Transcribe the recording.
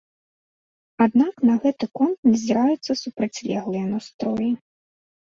Аднак на гэты конт назіраюцца супрацьлеглыя настроі.